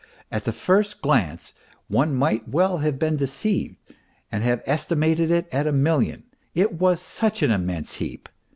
At the first glance one might well have been deceived and have estimated it at a million, it was such an immense heap.